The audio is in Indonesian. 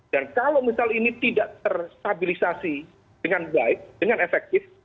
dan kalau misal ini tidak tersabilisasi dengan baik dengan efektif